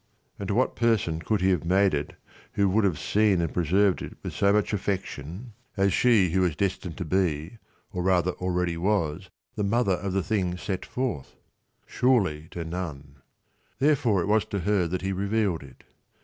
And to what person could he have made it who would have 102 seen and preserved it with so much affection as she who was destined to be, or rather already was, the mother of the thing set forth ? Surely to none. Therefore it was to her that he revealed it.